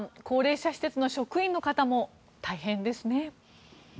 高齢者施設の職員の方も大変ですね。